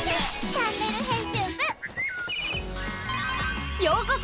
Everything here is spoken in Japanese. チャンネル編集部」へ！